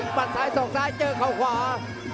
อีกมัดซ้ายสองซ้ายเจอเข้าขวา